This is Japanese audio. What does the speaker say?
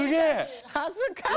恥ずかしい！